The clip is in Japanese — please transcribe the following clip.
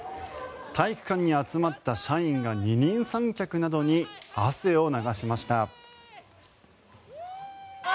体育館に集まった社員が二人三脚などに汗を流しました。